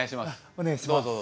お願いします。